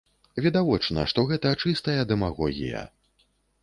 Відавочна, што гэта чыстая дэмагогія.